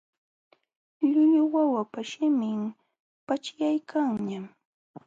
Llullu wawapa shimin paćhyaykanñam.